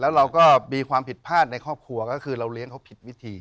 แล้วเราก็มีความผิดพลาดในครอบครัวก็คือเราเลี้ยงเขาผิดวิธี